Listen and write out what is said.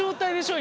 今。